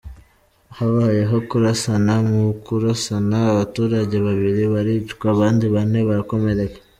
Habayeho kurasana, mu kurasana abaturage babiri baricwa abandi bane barakomereka.